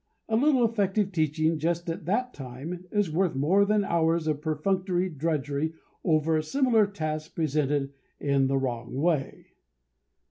A little effective teaching just at that time is worth more than hours of perfunctory drudgery over a similar task presented in the wrong way.